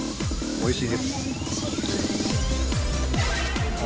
・おいしい。